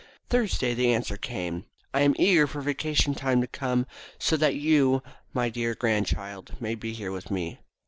Thursday the answer came. "I am eager for vacation time to come so that you, my dear grandchild, may be here with me."